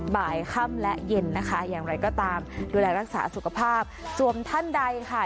บ่ายค่ำและเย็นนะคะอย่างไรก็ตามดูแลรักษาสุขภาพส่วนท่านใดค่ะ